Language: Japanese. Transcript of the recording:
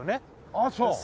ああそう。